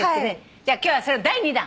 じゃあ今日は第２弾。